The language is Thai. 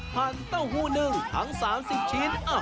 หันเต้าหู้หนึ่งถัง๓๐ชิ้น